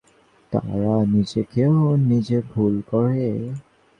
তারা নিজেকেও নিজে ভুল করে।